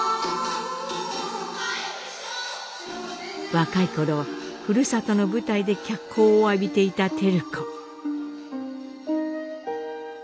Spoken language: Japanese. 若い頃ふるさとの舞台で脚光を浴びていた照子。